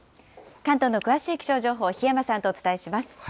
関東の詳しい気象情報、檜山さんとお伝えします。